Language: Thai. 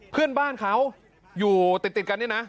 เพื่อนบ้านเขาอยู่ติดกันนี่นะ